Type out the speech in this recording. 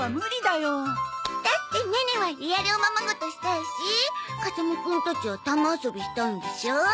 だってネネはリアルおままごとしたいし風間くんたちは球遊びしたいんでしょう？